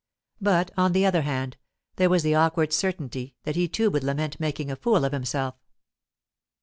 But, on the other hand, there was the awkward certainty that he too would lament making a fool of himself.